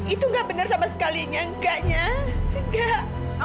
itu enggak benar sama sekalinya enggaknya enggak